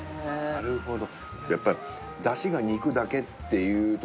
なるほど。